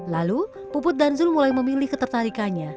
lalu puput dan zul mulai memilih ketertarikannya